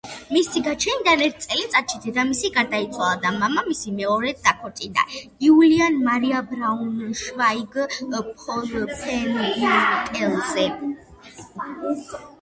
მისი გაჩენიდან ერთ წელიწადში დედამისი გარდაიცვალა და მამამისი მეორედ დაქორწინდა იულიანა მარია ბრაუნშვაიგ-ვოლფენბიუტელზე.